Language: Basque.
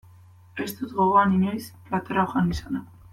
Ez dut gogoan inoiz plater hau jan izana.